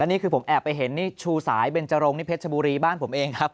นี่คือผมแอบไปเห็นนี่ชูสายเบนจรงนี่เพชรชบุรีบ้านผมเองครับ